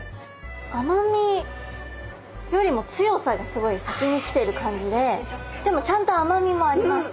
甘みよりも強さがすごい先に来てる感じででもちゃんと甘みもあります。